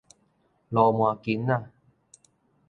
鱸鰻根仔